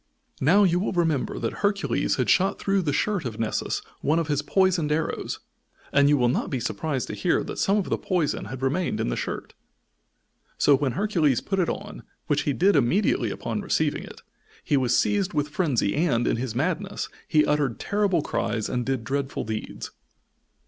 Now, you will remember that Hercules had shot through the shirt of Nessus one of his poisoned arrows, and you will not be surprised to hear that some of the poison had remained in the shirt. So when Hercules put it on, which he did immediately upon receiving it, he was seized with frenzy and, in his madness, he uttered terrible cries and did dreadful deeds.